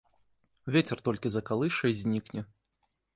Вецер толькі закалыша і знікне.